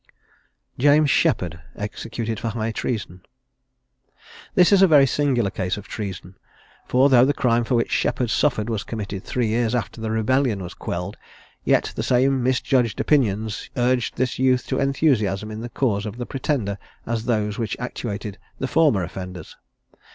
JAMES SHEPPARD. EXECUTED FOR HIGH TREASON. This is a very singular case of treason; for though the crime for which Sheppard suffered was committed three years after the rebellion was quelled, yet the same misjudged opinions urged this youth to enthusiasm in the cause of the Pretender as those which actuated the former offenders.